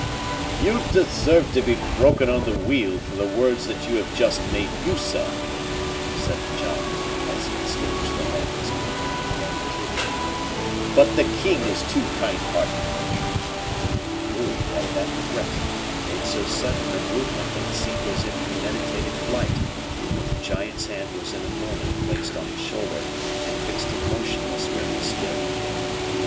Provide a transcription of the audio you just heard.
"You deserve to be broken on the wheel for the words that you have just made use of," said the giant, as he extinguished the lamp his companion handed to him; "but the king is too kind hearted." Louis, at that threat, made so sudden a movement that it seemed as if he meditated flight; but the giant's hand was in a moment placed on his shoulder, and fixed him motionless where he stood.